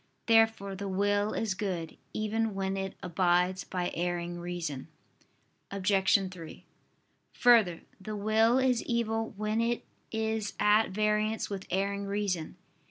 Therefore the will is good, even when it abides by erring reason. Obj. 3: Further, the will is evil when it is at variance with erring reason.